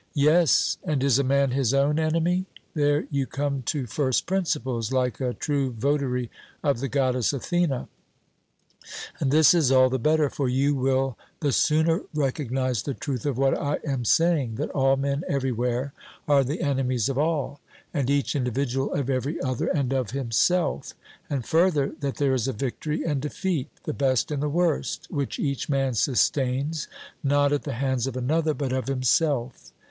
'Yes.' And is a man his own enemy? 'There you come to first principles, like a true votary of the goddess Athene; and this is all the better, for you will the sooner recognize the truth of what I am saying that all men everywhere are the enemies of all, and each individual of every other and of himself; and, further, that there is a victory and defeat the best and the worst which each man sustains, not at the hands of another, but of himself.'